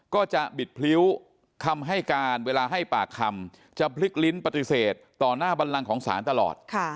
ก็จะบิดพลิ้วคำให้การเวลาให้ปากคำจะพลิกลิ้นปฏิเสธต่อหน้าบันลังของศาลตลอด